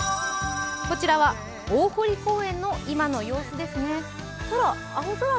こちらは大濠公園の今の様子ですね。